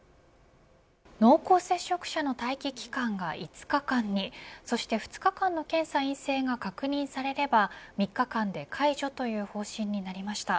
濃厚接触者の待機期間が５日間にそして２日間の検査陰性が確認されれば３日間で解除という方針になりました。